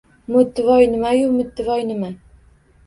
Mo‘ttivoy nima-yu, Mittivoy nima?